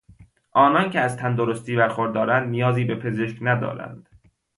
آنان که از تندرستی برخوردارند نیازی به پزشک ندارند.